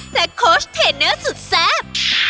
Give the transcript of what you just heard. และโค้ชเทนเนอร์สุดแซ่บ